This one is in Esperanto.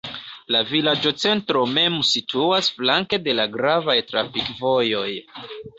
La vilaĝocentro mem situas flanke de la gravaj trafikvojoj.